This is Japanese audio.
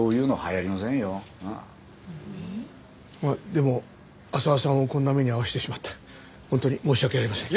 でも浅輪さんをこんな目に遭わせてしまって本当に申し訳ありません。